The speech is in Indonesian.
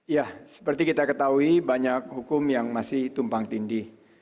ya seperti kita ketahui banyak hukum yang masih tumpang tindih